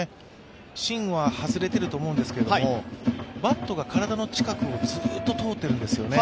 芯は外れてとる思うんですけれども、バットが体の近くをずっと通ってるんですよね。